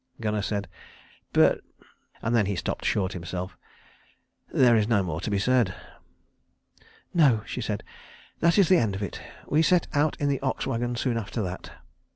Gunnar said, "But " and then he stopped short himself. "There is no more to be said." "No," she said, "that is the end of it. We set out in the ox wagon soon after that."